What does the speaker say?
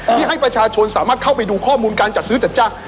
ที่ให้ประชาชนสามารถเข้าไปดูข้อมูลการจัดซื้อจัดจ้าง